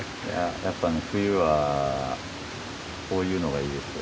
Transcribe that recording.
やっぱりね冬はこういうのがいいですね